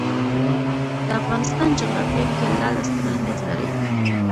د افغانستان جغرافیه کې لعل ستر اهمیت لري.